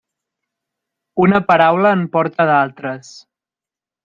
Una paraula en porta d'altres.